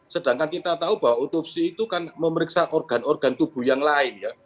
sedangkan kita tahu bahwa otopsi itu kan memeriksa organ organ tubuh yang lain ya